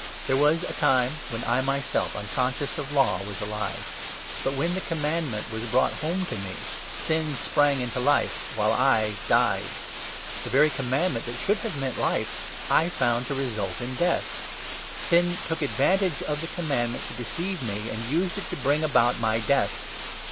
There was a 9 time when I myself, unconscious of Law, was alive ; but when the Commandment was brought home to me, sin sprang into life, while I — died ! The very Commandment that should 10 have meant Life I found to result in Death! Sin took u advantage of the Commandment to deceive me, and used it to bring about my Death.